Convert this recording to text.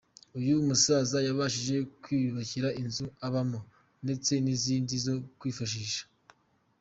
Uyu musaza yabashije kwiyubakira inzu abamo ndetse n'izindi zo kwifashisha.